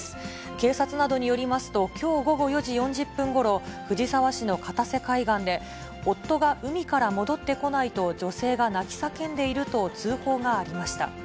警察などによりますと、きょう午後４時４０分ごろ、藤沢市の片瀬海岸で、夫が海から戻ってこないと、女性が泣き叫んでいると通報がありました。